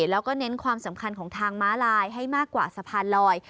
แล้วก็เน้นความสำคัญของทางม้าลายให้มากกว่าสะพานลอย